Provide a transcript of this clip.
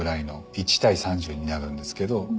１対３０になるんですけど。